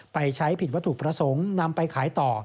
ไปใช้ผิดวัตถุประสงค์นำไปขายต่อ